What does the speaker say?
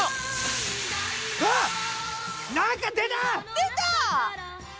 出た！